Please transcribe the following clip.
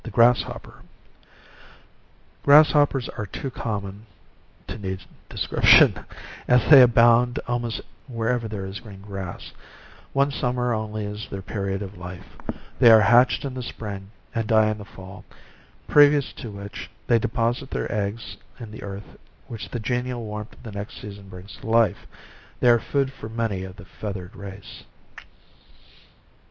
8 GRASSHOPPER Grasshoppers are too common to need description, as they abound almost wherever there is green grass. One summer on ly is their period of life: they are hatched in the spring, and die in the fall ; previous to which, they deposite their eggs in the earth, which the genial warmth of the next season bring to life. They are food for many of the feathered race.